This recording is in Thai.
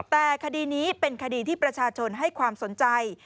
แต่คดีนี้เป็นคดีที่ประชาชนให้ความสนใจ